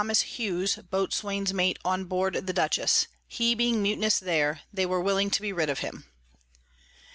Hughes_ Boatswain's Mate on board the Dutchess; he being mutinous there, they were willing to be rid of him.